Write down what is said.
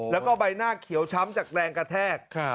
แล้วก็ใบหน้าเขียวช้ำจากแรงกระแทก